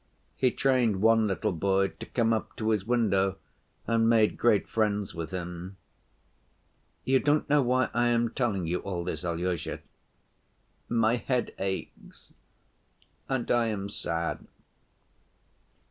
He trained one little boy to come up to his window and made great friends with him.... You don't know why I am telling you all this, Alyosha? My head aches and I am sad."